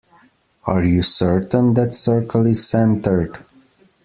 Are you certain that circle is centered?